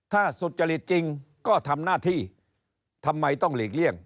ถ้าสุจริตจริงก็ทำหน้าที่ทำไมต้องหลีกเลี่ยง